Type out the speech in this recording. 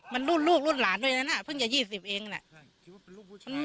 มันรูดรูดรูดหลานด้วยนะน่ะเพิ่งจะยี่สิบเองน่ะคิดว่าเป็นลูกผู้ชายนะ